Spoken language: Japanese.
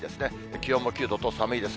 気温も９度と寒いです。